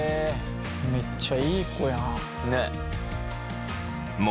めっちゃいい子やん。